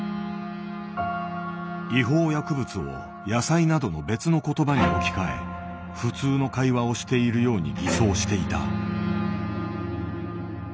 違法薬物を「野菜」などの別の言葉に置き換え普通の会話をしているように偽装していた。